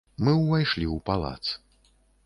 Мы ўвайшлі ў палац.